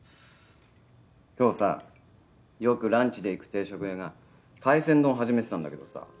今日さよくランチで行く定食屋が海鮮丼始めてたんだけどさ